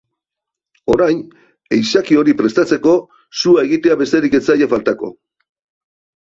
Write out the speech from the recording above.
Orain, ehizaki hori prestatzeko sua egitea besterik ez zaie faltako.